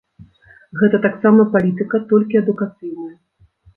Гэта таксама палітыка, толькі адукацыйная.